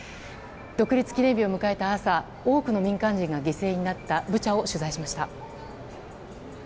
独立記念日を迎えた朝多くの民間人が犠牲になったブチャを取材しました。